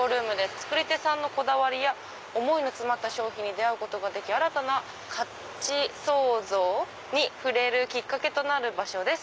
作り手さんのこだわりや思いのつまった商品に出会うことができ新たな価値創造に触れるきっかけとなる場所です